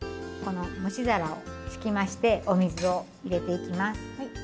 この蒸し皿を敷きましてお水を入れていきます。